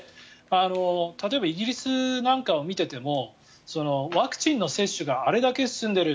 例えばイギリスなんかを見ていてもワクチンの接種があれだけ進んでいる。